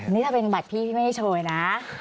นี่ถ้าเป็นบัตรพี่ไม่ได้โชว์เลยนะ